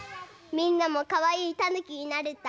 みんなもかわいいたぬきになれた？